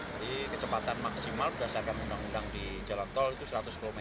jadi kecepatan maksimal berdasarkan undang undang di jalan tol itu seratus km